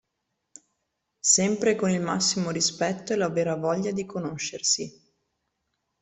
Sempre con il massimo rispetto e la vera voglia di conoscersi.